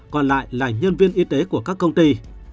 còn lại là nhân viên y tế của các công ty